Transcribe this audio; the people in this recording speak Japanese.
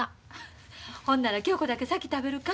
ほんなら恭子だけ先食べるか？